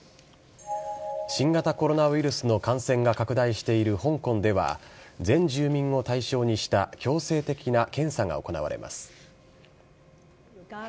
新型コロナウイルスの感染が拡大している香港では、全住民を対象にした強制的な検査が行われます。